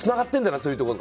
そういうところとか。